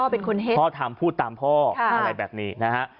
พ่อทำพูดตามพ่ออะไรแบบนี้นะฮะ